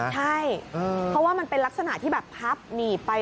ใช่เพราะว่ามันเป็นลักษณะที่แบบพับหนีบไป